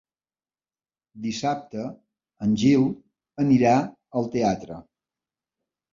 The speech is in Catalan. Dissabte en Gil anirà al teatre.